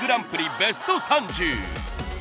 ベスト３０。